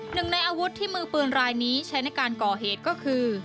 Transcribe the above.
ในอาวุธที่มือปืนรายนี้ใช้ในการก่อเหตุก็คือ